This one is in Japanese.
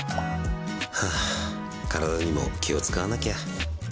体にも気を使わなきゃ。